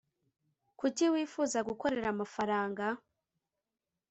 Kuki wifuza gukorera amafaranga?